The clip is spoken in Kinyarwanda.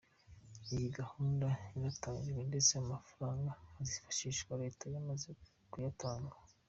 Iyi gahunda yaratangijwe ndetse amafaranga azifashishwa leta yamaze kuyatanga.